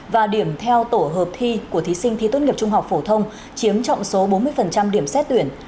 và điểm theo tổ hợp thi của thí sinh thi tốt nghiệp trung học phổ thông chiếm trọng số bốn mươi điểm xét tuyển